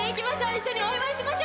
一緒にお祝いしましょう！